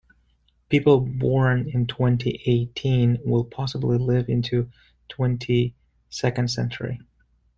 People born in twenty-eighteen will possibly live into the twenty-second century.